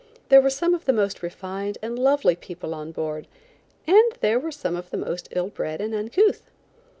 There were some of the most refined and lovely people on board, and there were some of the most ill bred and uncouth.